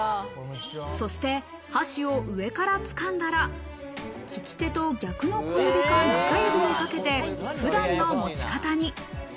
そして箸を上からつかんだら、利き手と逆の小指か中指にかけて普段の持ち方に。